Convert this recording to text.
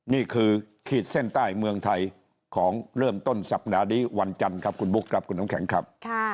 นี่คือขีดเส้นใต้เมืองไทยของเริ่มต้นสัปดาห์นี้วันจันทร์ครับคุณบุ๊คครับคุณน้ำแข็งครับ